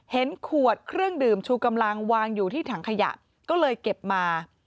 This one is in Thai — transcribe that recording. ขวดเครื่องดื่มชูกำลังวางอยู่ที่ถังขยะก็เลยเก็บมา